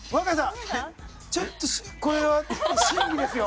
ちょっとこれは審議ですよ。